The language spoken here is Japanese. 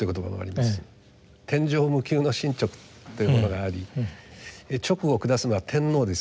「天壌無窮の神勅」というものがあり勅を下すのは天皇です。